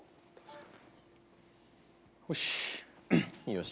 よし。